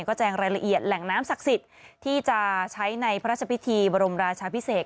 ก็แจ้งรายละเอียดแหล่งน้ำศักดิ์สิทธิ์ที่จะใช้ในพระราชพิธีบรมราชาพิเศษ